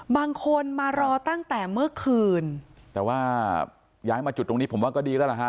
บางคนมารอตั้งแต่เมื่อคืนแต่ว่าย้ายมาจุดตรงนี้ผมว่าก็ดีแล้วล่ะฮะ